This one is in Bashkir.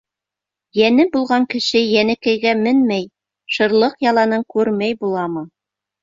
— Йәне булған кеше Йәнекәйгә менмәй, Шырлыҡ яланын күрмәй буламы?